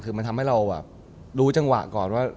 คือมันทำให้เรารู้จังหวะก่อนว่า